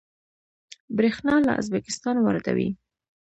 بریښنا له ازبکستان واردوي